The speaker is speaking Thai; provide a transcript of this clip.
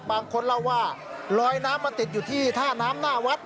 บางคนเล่าว่าลอยน้ำมาติดอยู่ที่ท่าน้ำหน้าวัด